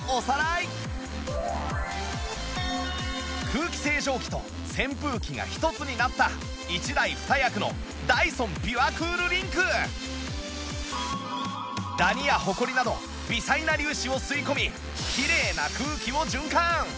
空気清浄機と扇風機が一つになった１台２役のダニやホコリなど微細な粒子を吸い込みきれいな空気を循環